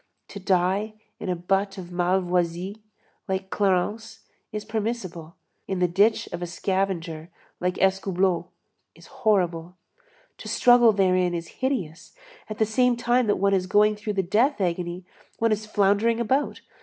To die in a butt of Malvoisie, like Clarence, is permissible; in the ditch of a scavenger, like Escoubleau, is horrible. To struggle therein is hideous; at the same time that one is going through the death agony, one is floundering about.